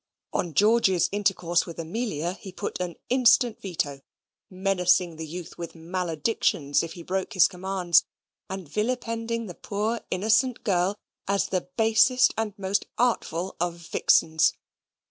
On George's intercourse with Amelia he put an instant veto menacing the youth with maledictions if he broke his commands, and vilipending the poor innocent girl as the basest and most artful of vixens.